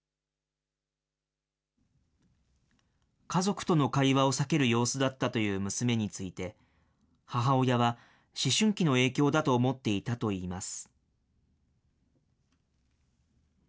家族との会話を避ける様子だったという娘について、母親は、思春期の影響だと思っていたといいます。